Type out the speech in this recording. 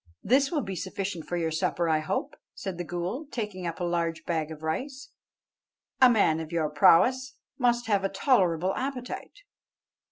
"This will be sufficient for your supper, I hope," said the ghool, taking up a large bag of rice; "a man of your prowess must have a tolerable appetite."